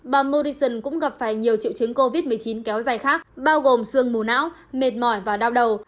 bà morrison cũng gặp phải nhiều triệu chứng covid một mươi chín kéo dài khác bao gồm sương mù não mệt mỏi và đau đầu